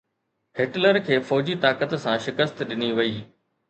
Hitler کي فوجي طاقت سان شڪست ڏني وئي.